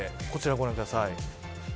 こちらご覧ください。